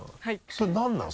それ何なの？